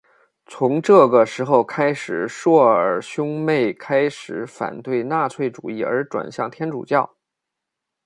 从这个时候开始朔尔兄妹开始反对纳粹主义而转向天主教。